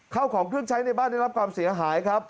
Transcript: เข้าของเครื่องใช้ในบ้านได้รับความเสียหายครับ